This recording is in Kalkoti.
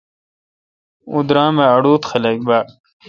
اوں درام اے° اڑوت خلق باڑ۔۔